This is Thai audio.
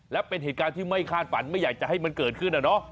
และเป็นเหตุการณ์ที่ไม่คาดฝันไม่อยากจะให้มันเกิดขึ้น